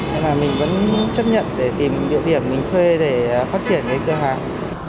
thế là mình vẫn chấp nhận để tìm địa điểm mình thuê để phát triển cái cửa hàng